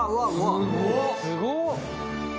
すごっ！